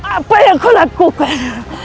apa yang kau lakukan